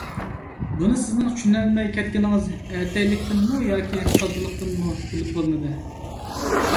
بۇنى سىزنىڭ چۈشىنەلمەي كەتكىنىڭىز ئەتەيلىكتىنمۇ ياكى ساددىلىقتىنمۇ بىلىپ بولمىدى.